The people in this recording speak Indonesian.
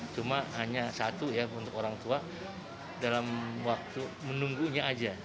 cuma hanya satu ya untuk orang tua dalam waktu menunggunya aja